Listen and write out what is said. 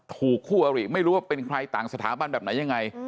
ถูกคู่อริไม่รู้ว่าเป็นใครต่างสถาบันแบบไหนยังไง